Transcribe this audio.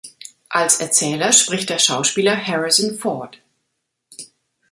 Als Erzähler spricht der Schauspieler Harrison Ford.